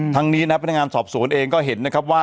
ทั้งนี้นะครับพนักงานสอบสวนเองก็เห็นว่า